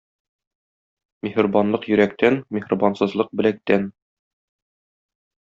Миһербанлык йөрәктән, миһербансызлык беләктән.